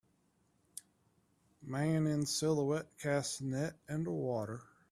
man in silhouette casts net into water.